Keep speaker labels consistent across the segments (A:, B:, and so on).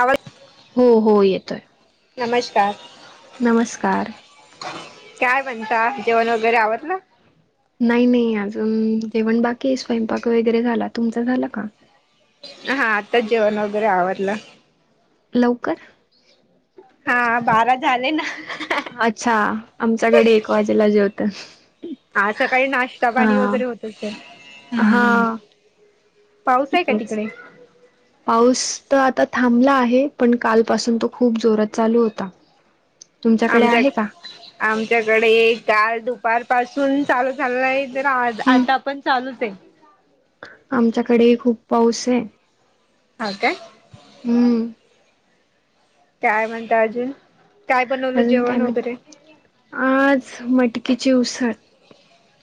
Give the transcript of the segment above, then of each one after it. A: आवाज
B: हो हो येतोय.
A: नमस्कार.
B: नमस्कार
A: काय म्हणता, जेवण वगैरे आवरलं?
B: नाही, नाही अजून जेवण बाकी आहे, स्वयंपाक वगैरे झाला. तुमचा झाला का?
A: हा आत्ताच जेवण वगैरे आवरलं.
B: लवकर
A: हा बारा झाले ना,
B: अच्छा आमच्याकडे एक वाजेला जेवतं.
A: हा सकाळी नाश्ता पाणी वगैरे होत असेल, हूं.. हूं
B: हा.
A: पाऊस आहे का तिकडे?
B: पाऊस त आता थांबला आहे, पण कालपासून तो खूप जोरात चालू होता. [unintelligible]
A: आमच्या
B: आहे का?
A: आमच्याकडे काल दु पार पासून चालू झालाय, तर आज
B: हम्म
A: आता पण चालूच आहे.
B: आमच्याकडेही खूप पाऊस आहे.
A: हा काय,
B: हूं..
A: काय म्हणताय अजून काय बनवलं
B: अजून काय
A: जेवण
B: मग
A: वगैरे
B: [inaudible] आज मटकीची उसळ,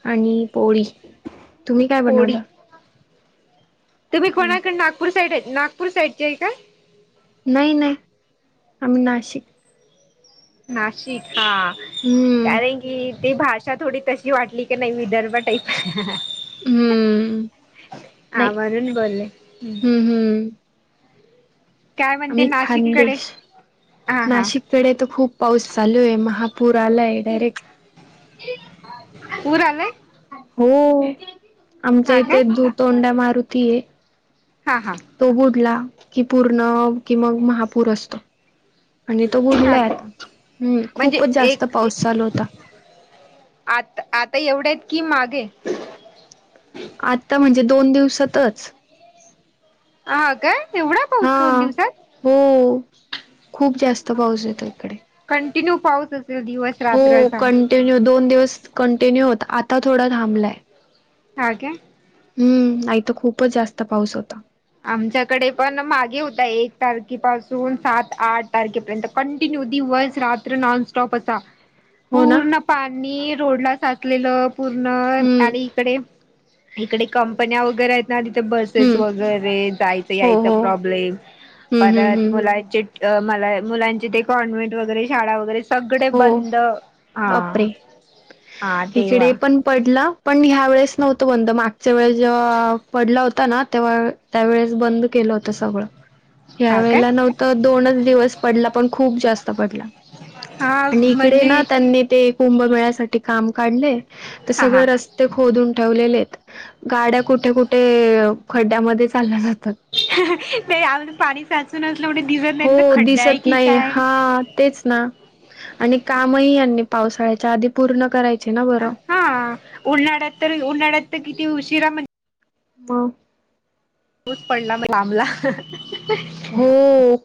B: आणि पोळी. तुम्ही काय
A: पोळी
B: बनवलं?
A: तुम्ही कोणाकडे [inaudible] नागपूर साईड नागपूर साईडची आहे काय?
B: नाही- नाही आम्ही नाशिक.
A: नाशिक [inaudible] हा
B: हम्म
A: कारण की ती भाषा थोडी तशी वाटली की नाही विदर्भ टाईप.
B: हम्म.
A: [inaudible] आवाजाने बोले.
B: ह हम्म.
A: काय
B: आम्
A: म्हणते
B: खान
A: नाशिककडे
B: देश
A: हा हा
B: नाशिक. कडे तर खूप पाऊस चालू आहे महापूर आलाय डायरेक्ट.
A: पूर आला य
B: हो, [inaudible] आमच्या
A: हा
B: इथे
A: काय
B: दू -तोंड्या मारुती आहे.
A: हा -हा.
B: तो बुडला की पूर्ण की मग महापूर असतो. आणि तो
A: हा
B: बुडलात [inaudible] हम्म
A: म्हणजे
B: खूपच जास्त पाऊस चालू होता.
A: आत आता एवढ्या आहेत की मागे
B: आता म्हणजे दोन दिवसातच.
A: हा, काय एवढा पाऊस दोन दिवसात.
B: हम्म, खूप जास्त पाऊस येतो इकडे.
A: कंटिन्यू पाऊसच
B: हो कंटिन्यू दोन दिवस कंटिन्यू होता आता थोडा थांबलाय.
A: हा, काय.
B: हम्म, आथ खूपच जास्त पाऊस होता.
A: आमच्याकडे पण मागे होता एक तारखे पाासून सात -आठ तारखेपर्यंत कंटिन्यू दिवस- रात्र नॉनस्टॉप असा,
B: हो ना
A: पूर्ण पाणी रोडला साच असलेलं पूर्ण
B: हम्म
A: आणि इकडे- इकडे कंपन्या वगैरे आहेत. नाही तिथे बसेस [inaudible]
B: हम्म
A: वगैरे जायचं
B: हो
A: यायचं
B: हो हम्म
A: प्रॉब्लेम
B: हम्म
A: परत
B: हम्म
A: मुलांचे मला मुलांचे ते कॉन्व्हेंट वगैरे शाळा वगैरे सगळे
B: हो
A: बंद [inaudible] हा
B: बापरे
A: -हा तेव्हा
B: इकडे पण पडला पण ह्या वेेळेस नव्हतो बंद मागच्या वेळेस जेव्हा पडला होता ना तेव्हा त्यावेेळेस बंद केलं होत सगळ ह्या
A: हा काय
B: वेळेला नव्हतं दोनच दिवस पडला पण खूप जास्त पडला.
A: हा
B: आणि इकडे
A: म्हणजे
B: ना त्यांनी ते कुंभमेळ्यासाठी काम काढले तर
A: हा हा
B: सगळे रस्ते खोदून ठेवलेले आहेत. गाड्या कुठे- कुठे खड्ड्यामध्ये मध्ये चालल्या जातात.
A: [inaudible] तेऊन पाणी साचून असलं म्हटलं दिवे
B: हो
A: नाही खड्डा आहे
B: दिसत
A: की
B: नाही
A: काय
B: हा तेच ना आणि काम ही यांनी पावसाळ्याच्या आधी पूर्ण करायचे ना बरं.
A: हा उन्हाळ्यात तर उन्हाळ्यात तर किती उशिरा म्हण
B: ह [unintelligible]
A: तूच पडला मग लांबला [inaudible]
B: हो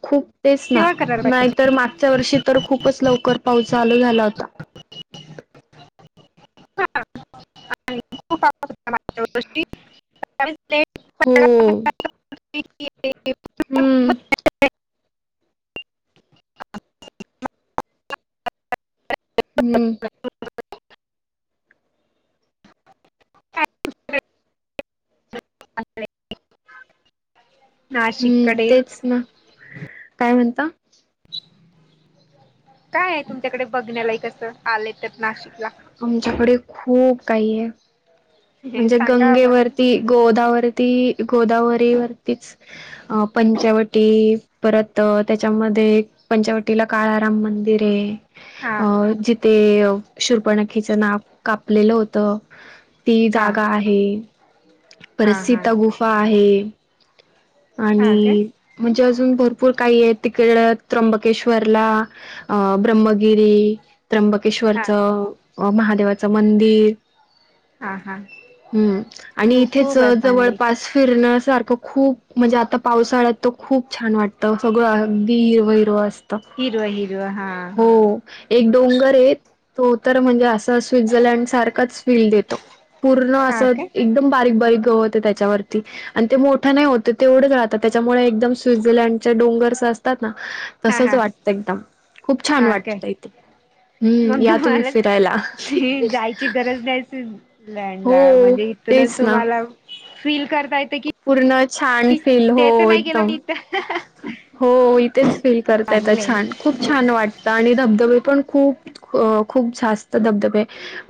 B: खूप तेच ना
A: तेव्हा
B: [inaudible]
A: करायला
B: मॅगी. तर मागच्या वर्षी [inaudible] तर खूपच लवकर पाऊस चालू झाला होता.
A: हां खूप सत्तावीस्ले.
B: हो
A: [unintelligible] [unintelligible]
B: हम्म [inaudible] हम्म
A: अस [unintelligible]
B: हम्म तेच ना, काय म्हणता?
A: काय आहे तुमच्याकडे बघण्या लायक असं आले तर नाशिकला?
B: आमच्याकडे खूप काही आहे.
A: हे
B: म्हणजे
A: सांगा आम्हाला
B: गंगेवरती गोदावरती गोदावरी वरतीच- अ पंचवटी परत त्यांच्यामध्ये, पंचवटीला काळाराम मंदिर हे.
A: हा
B: अ जिथे शुर्पणखीचं नाक कापलेलं होतं. ती
A: हा
B: जागा आहे पर
A: हा हा
B: सिता गुफा आहे.
A: हा काय
B: आणि म्हणजे अजून भरपूर काही आहे, तिकडं त्र्यंबकेश्वरला- अ ब्रम्मगिरी
A: हा
B: त्र्यंबकेश्वरच अं महादेवाचं मंदिर
A: हा हा
B: हम्म आणि
A: खूप
B: इथेच
A: खूप आहे फायनली
B: जवळपास फिरणं सारखं खूप म्हणजे आता पावसाळ्यात तो खूप छान वाटतं सगळं अगदी हिरव हिरव असत.
A: हिरवं हिरवं हा
B: हो एक डोंगर आहेत तो तर म्हणजे अस तो स्वित्झर्लड सारखच फील देतो. पूर्ण अस
A: हा काय
B: एकदम बारीक बारीक- त्यांच्यावरची आणि ते मोठं नाही होत- तेवढं ग राहतात त्याच्यामुळे एकदम स्वितझर्लंडचे डोंगरस असतात ना,
A: हा
B: तसच
A: हा
B: वाटतं एकदम खूप छान
A: हा काय
B: वाटतंय तु-
A: मग तुम्हाला भी जायची गरज नाही. स्विझर्लंड
B: हो
A: ला म्हणजे इथूनच
B: तेच ना
A: तुम्हाला फील करता येत की,
B: पूर्ण छान फील हो
A: ते तर नाही गेलं
B: एकदम
A: मी इथं -
B: हो इथेच फील करता येत छान- खूप छान वाटतं आणि धबधबे पण खूप खूप जास्त धबधबे,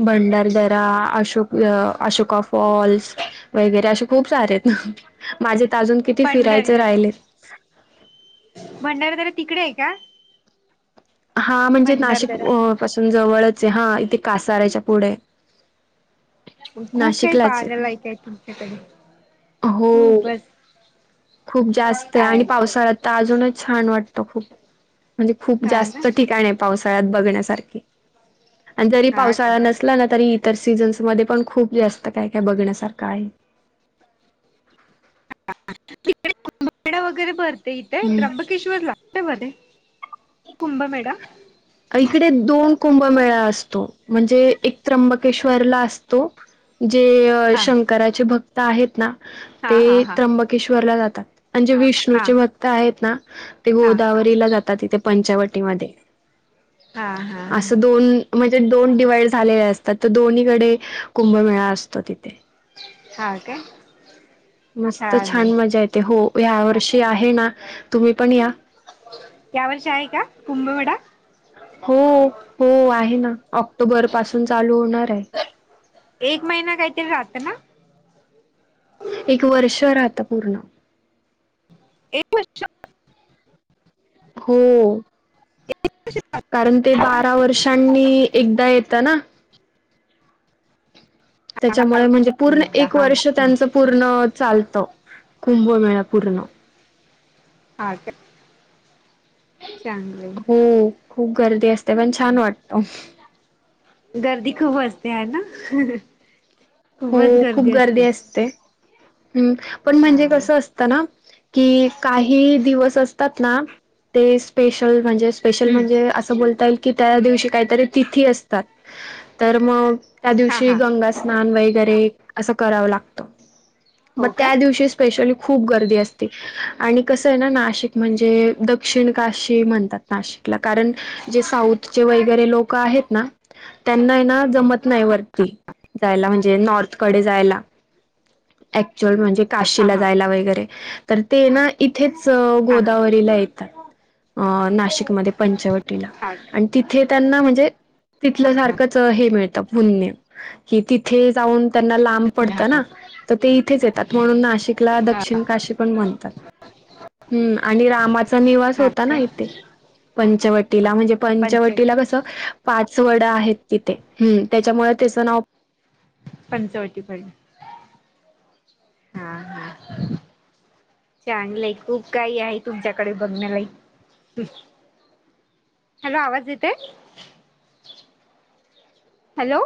B: भंडारदरा अशोक अशोका फॉल्स, वगैरे असे खूप सारेत माझेत अजून किती फिरायचे राहिले.
A: भंडारादरा तिकडे आहे का?
B: हा म्हणजे नाशिक
A: भंडारदरा
B: पासून जवळच आहे हा इथे कासाराच्या पुढे-
A: खूप काही पाहण्यालायक आहे तुमच्याकडे. खूप
B: हो..
A: बस
B: खूप जास्त आहे. आणि पावसाळ्यात तर अजूनच छान वाटत खूप. म्हणजे खूप
A: हा ना
B: जास्त ठिकाण पावसाळ्यात बघण्यासारखे आणि जरी
A: हा काय
B: पावसाळ नस- लं ना तरी इतर सीझन्स मध्ये पण खूप जास्त काय काय बघण्यासारखं आहे.
A: [unintelligible] तिकडे तं वगैरे भरते
B: हम्म.
A: इथे? श्वर लागत मध्ये कुंभमेढा?
B: इकडे दोन कुंभमेळा असतो, म्हणजे एक त्र्यंबकेश्वरला असतो. जेय
A: हा
B: शंकराचे भक्त आहेत ना,
A: हा हा
B: ते
A: हा
B: त्र्यंबकेश्वर जातात म्हणजे विष्णू
A: हा
B: भक्त - विष्णूचे भक्त आहेत ना, ते
A: हा हा
B: गोदावरीला जातात इथे पंचवटीमध्ये.
A: हा हा
B: असं दोन म्हणजे दोन डिवाइड झालेले असतात, तर दोन्हीकडे- कुंभमेळा असतो तिथे.
A: हां काय
B: मस्त छान मज्जा येते हो ह्या वर्षी आहे ना तुम्ही पण या
A: या वर्षी आहे का कुंभवेडा
B: हो हो आहे ना ऑक्टोबर पासून चालू होणार आहे
A: एक महिना काहीतरी राहत ना
B: एक वर्ष राहता पूर्ण
A: एक वर्ष
B: हो कारण ते बारा वर्षांनी एकदा येतं ना त्याच्यामुळे म्हणजे पूर्ण
A: एकदा
B: एक
A: हा
B: वर्ष त्यांच पूर्ण पूर्ण चालत कुंभमेळा पूर्ण
A: ह का चांगलं आहे [inaudible]
B: हो खूप गर्दी असते पण छान वाटतो
A: गर्दी खूप असते आहे ना
B: हो
A: खूपच
B: खूप गर्दी
A: असते
B: असते् पण
A: हा
B: म्हणजे कसं
A: हम्म
B: असतं की काही दिवस असतात ना ते स्पेशल म्हणजे स्पेशल म्हणजे असं बोलता येईल की त्या दिवशी काहीतरी तिथी असतात तर मग त्या
A: हा
B: दिवशी
A: हा
B: गंगा स्नान वगैरे असं करावं लागतो मग
A: हो काय
B: त्या दिवशीच स्पेशली खूप गर्दी असते आणि कसं आहे ना नाशिक म्हणजे दक्षिण काशी म्हणतात नाशिकला कारण जे साऊथचे वगैरे लोक आहेत ना त्यांना ना जमतं नाही
A: हा
B: वरती जायला म्हणजे नॉर्थकडे जायला अऍक्च्युअल म्हणजे
A: हा
B: काशीला जायला
A: हा
B: वैगैरे तर ते ना इथेच
A: हा हा
B: गोदावरीला येतात नाशिकमध्ये पंचवटी ला
A: हा
B: आणि तिथे त्यांना म्हणजे तिथलं सारखंच हे मिळतं पुण्य कि ते तेथे जाऊन त्यांना लांब पडत
A: हा
B: ना तर ते इथेच येतात म्हणून नाशिक ला
A: हा
B: दक्षिण काशी पण म्हणतात आणि रामा चा निवास
A: हा
B: होता ना
A: काय
B: इथे पंचवटीला म्हणजे पंचवटीला
A: पंचवटी
B: कस पाच वड आहेत तिथे ह् त्याच्यामुळे त्याचं नाव
A: पंचवटी पडलं हा हा चांगलंय खूप काही आहे तुमच्याकडे बघण्याला हॅलो आवाज येतोय हॅलो